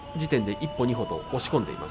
１歩、２歩と押し込んでいます。